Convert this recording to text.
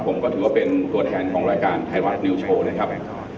ผมก็ถือว่าเป็นตัวแทนของรายการไทยรัฐนิวโชว์นะครับ